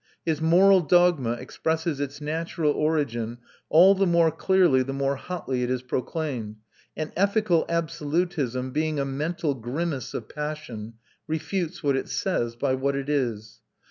His moral dogma expresses its natural origin all the more clearly the more hotly it is proclaimed; and ethical absolutism, being a mental grimace of passion, refutes what it says by what it is.